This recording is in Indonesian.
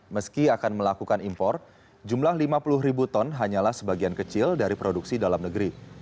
meski akan melakukan impor jumlah lima puluh ribu ton hanyalah sebagian kecil dari produksi dalam negeri